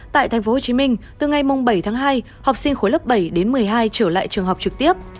tại tp hcm từ ngày bảy tháng hai học sinh khối lớp bảy đến một mươi hai trở lại trường học trực tiếp